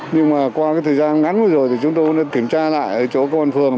nhưng mà qua cái thời gian ngắn vừa rồi thì chúng tôi đã kiểm tra lại ở chỗ công an phường